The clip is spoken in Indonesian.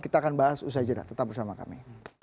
kita akan bahas usai jeda tetap bersama kami